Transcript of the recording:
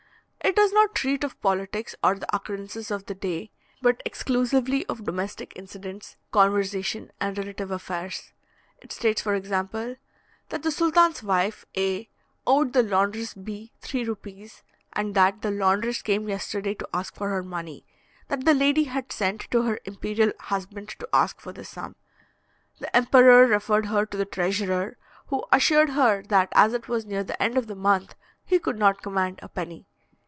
It does not treat of politics or the occurrences of the day, but exclusively of domestic incidents, conversation and relative affairs. It states, for example, "that the sultan's wife, A., owed the laundress, B., three rupees, and that the laundress came yesterday to ask for her money; that the lady had sent to her imperial husband to ask for the sum. The emperor referred her to the treasurer, who assured her, that as it was near the end of the month, he could not command a penny.